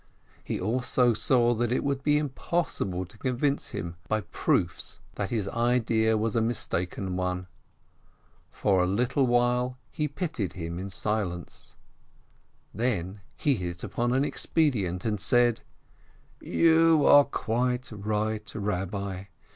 He also saw that it would be impossible to convince him by proofs that his idea was a mistaken one; for a little while he pitied him in silence, then he hit upon an expedient, and said : 26 BEAUDES "You are quite right, Eabbi!